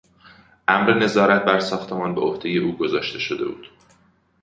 امر نظارت بر ساختمان به عهدهی او گذاشته شده بود.